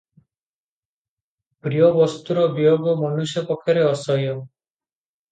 ପ୍ରିୟ ବସ୍ତୁର ବିୟୋଗ ମନୁଷ୍ୟ ପକ୍ଷରେ ଅସହ୍ୟ ।